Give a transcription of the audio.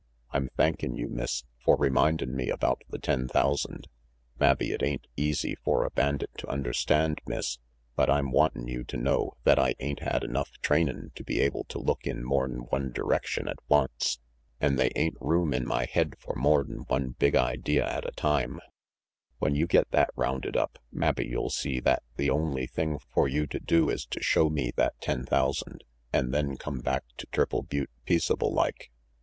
I'm thankin' you, Miss, for remindin' me about the ten thousand. Mabbe it am' easy for a bandit to understand, Miss, but I'm wantin' you to know that I ain't had enough trainin' to be able to look in more'n one direction at once, an' they ain't room in my head for more'n one big idea at RANGY PETE 315 a time. When you get that rounded up, mabbe you'll see that the only thing for you to do is to show me that ten thousand, an' then come back to Triple Butte peaceable like."